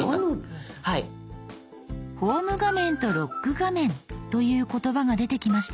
「ホーム画面」と「ロック画面」という言葉が出てきました。